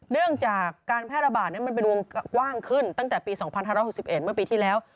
เรื่องจากการแพร่ระบาดมันเป็นวงกว้างขึ้นตั้งแต่ปี๒๕๖๑เมื่อปีที่แล้ว